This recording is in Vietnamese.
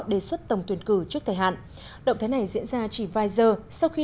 đề xuất tổng tuyển cử trước thời hạn động thái này diễn ra chỉ vài giờ sau khi